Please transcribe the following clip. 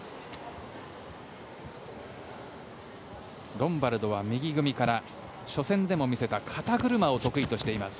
ロンバルドは右組みから初戦でも見せた肩車を得意としています。